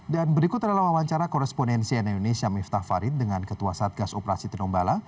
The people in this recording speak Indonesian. dan berikut adalah wawancara koresponensi nuni syamif tafarid dengan ketua satgas operasi tinombala